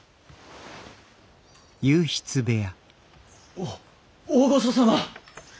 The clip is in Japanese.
お大御所様！